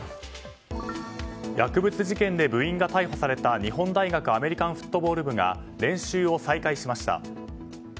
薬物事件で部員が逮捕された日本大学アメリカンフットボール部が練習を再開しました。